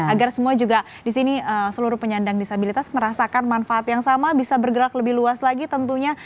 agar semua juga di sini seluruh penyandang disabilitas merasakan manfaat yang sama bisa bergerak lebih luas lagi tentunya